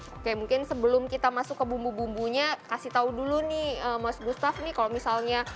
oke mungkin sebelum kita masuk ke bumbu bumbunya kasih tahu dulu nih mas gustaf nih kalau misalnya